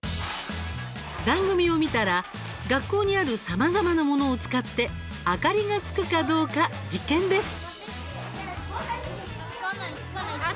番組を見たら、学校にあるさまざまなものを使って明かりがつくかどうか実験です。